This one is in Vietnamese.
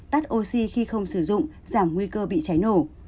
tắt oxy khi không sử dụng giảm nguy cơ bị cháy nổ